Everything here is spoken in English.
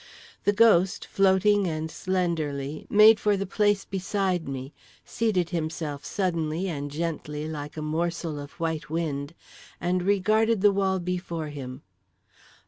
The ghost, floating and slenderly, made for the place beside me, seated himself suddenly and gently like a morsel of white wind, and regarded the wall before him.